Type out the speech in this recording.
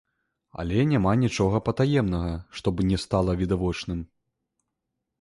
Але няма нічога патаемнага, што б не стала відавочным.